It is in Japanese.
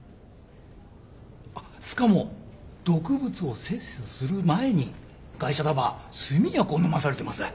あっしかも毒物を摂取する前にガイ者だば睡眠薬を飲まされてます。